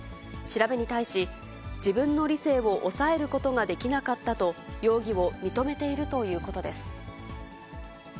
調べに対し、自分の理性を抑えることができなかったと、容疑を認めているとい